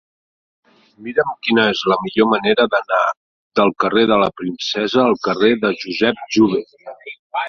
Mira'm quina és la millor manera d'anar del carrer de la Princesa al carrer de Josep Jover.